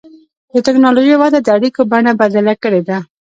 د ټکنالوجۍ وده د اړیکو بڼه بدله کړې ده.